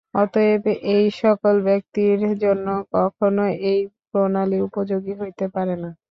অতএব এই-সকল ব্যক্তির জন্য কখনও এই প্রণালী উপযোগী হইতে পারে না।